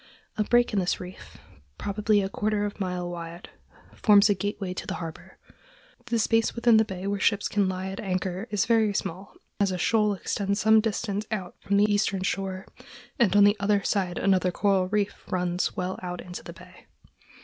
A break in this reef, probably a quarter of a mile wide, forms a gateway to the harbor. The space within the bay where ships can lie at anchor is very small, as a shoal extends some distance out from the eastern shore, and on the other side another coral reef runs well out into the bay.